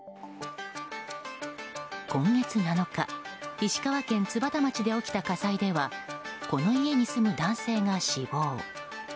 今月７日、石川県津幡町で起きた火災ではこの家に住む男性が死亡。